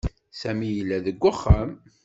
Sami yella deg uxxam.